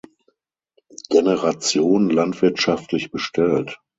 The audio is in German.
Generation landwirtschaftlich bestellt.